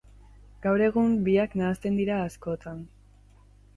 Gaur egun, biak nahasten dira askotan.